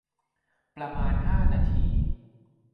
ประมาณ ห้า นาที